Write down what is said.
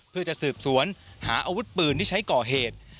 เพื่อจะสืบสวนหาอาวุธปืนที่ใช้ก่อเหตุ